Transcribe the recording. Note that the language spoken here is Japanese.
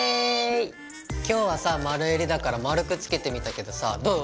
今日はさ丸襟だから丸くつけてみたけどさどう？